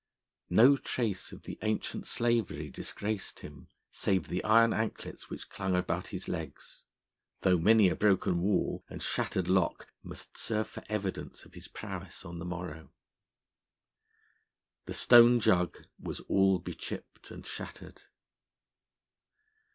No trace of the ancient slavery disgraced him save the iron anklets which clung about his legs; though many a broken wall and shattered lock must serve for evidence of his prowess on the morrow. The Stone Jug was all be chipped and shattered.